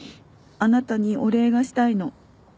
あなたにお礼がしたいの」